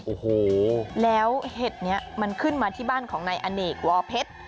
โอ้โหแล้วเห็ดนี้มันขึ้นมาที่บ้านของนายอเนกวเพชร